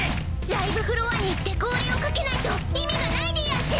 ライブフロアに行って号令をかけないと意味がないでやんす。